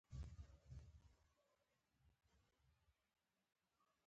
په نشتو پسې منډې وهي مطمئن نه شي.